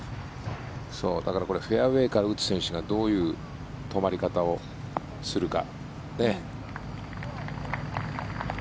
これフェアウェーから打つ選手がどういう止まり方をするか。